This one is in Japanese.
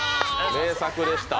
名作でした。